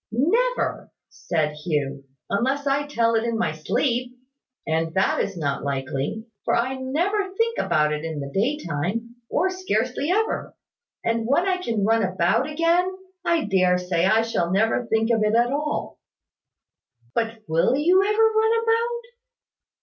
"Never," said Hugh, "unless I tell it in my sleep; and that is not likely, for I never think about it in the daytime, or scarcely ever; and when I can run about again, I dare say I shall never think of it at all." "But will you ever run about?"